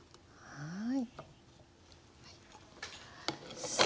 はい。